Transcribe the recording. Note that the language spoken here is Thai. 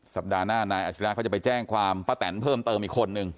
สัปดาห์หน้านายอาชิระเขาจะไปแจ้งความป้าแตนเพิ่มเติมอีกคนนึง